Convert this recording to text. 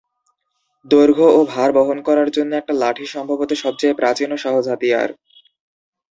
দৈর্ঘ্য ও ভার বহন করার জন্য একটা লাঠি সম্ভবত সবচেয়ে প্রাচীন ও সহজ হাতিয়ার।